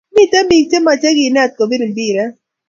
Miten pik che mache kinet kopir mpiret